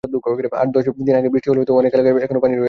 আট-দশ দিন আগে বৃষ্টি হলেও অনেক এলাকায় এখনো পানি রয়ে গেছে।